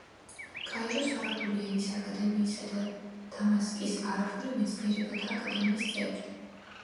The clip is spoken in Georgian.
კაიროს არაბული ენის აკადემიისა და დამასკის არაბული მეცნიერებათა აკადემიის წევრი.